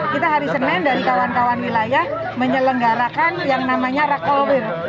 kita hari senin dari kawan kawan wilayah menyelenggarakan yang namanya rukol will